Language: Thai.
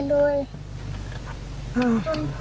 เลยอ่า